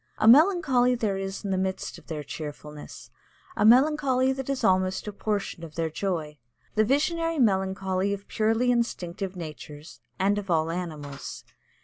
A melancholy there is in the midst of their cheerfulness a melancholy that is almost a portion of their joy, the visionary melancholy of purely instinctive natures and of all animals.